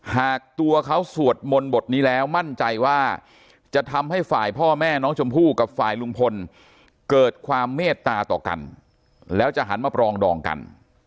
หากตัวเขาสวดมนต์บทนี้แล้วมั่นใจว่าจะทำให้ฝ่ายพ่อแม่น้องชมพู่กับฝ่ายลุงพลเกิดความเมตตาต่อกันแล้วจะหันมาปรองดองกัน